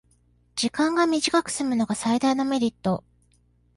時間が短くすむのが最大のメリット